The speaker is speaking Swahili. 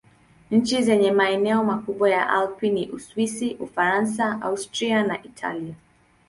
Nchi zenye maeneo makubwa ya Alpi ni Uswisi, Ufaransa, Austria na Italia.